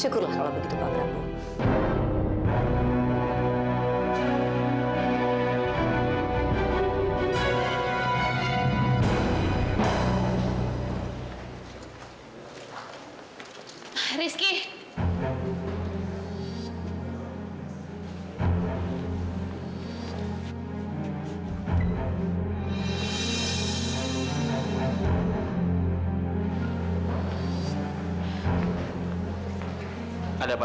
syukurlah kalau begitu pak prabu